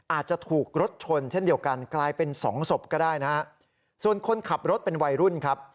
อาจจะถูกรถชนเช่นเดียวกันกลายเป็นสองศพก็ได้นะฮะส่วนคนขับรถเป็นวัยรุ่นครับ